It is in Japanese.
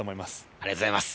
ありがとうございます。